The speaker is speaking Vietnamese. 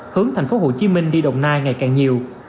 hướng thành phố hồ chí minh đi đồng nai ngày càng nhiều